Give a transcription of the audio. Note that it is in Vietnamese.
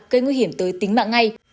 gây nguy hiểm tới tính mạng ngay